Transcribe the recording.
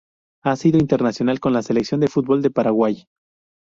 Ha sido internacional con la Selección de fútbol de Paraguay.